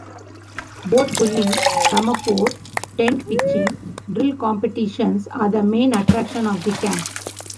Boat pulling, semaphore, tent pitching, drill competitions are the main attraction of the camp.